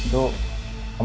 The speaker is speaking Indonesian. tentang mbak bella